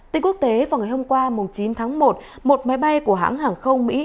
tin quốc tế vào ngày hôm qua chín tháng một một máy bay của hãng hàng không mỹ